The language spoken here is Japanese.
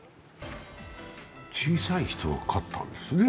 小さい人が勝ったんですね。